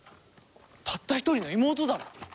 たった一人の妹だろ！